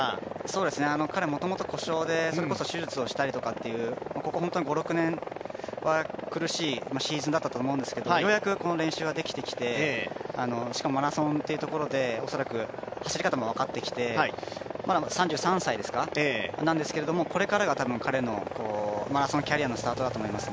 彼、もともと故障で手術をしたりだとかここ本当、５６年は苦しいシーズンだったと思うんですけどようやく練習ができてきてしかもマラソンというところで、恐らく走り方も分かってきてまだ３３歳なんですけどこれから彼のマラソンキャリアのスタートだと思います。